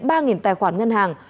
mạnh đã mua bán trên mạng